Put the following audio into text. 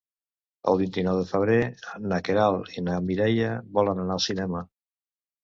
El vint-i-nou de febrer na Queralt i na Mireia volen anar al cinema.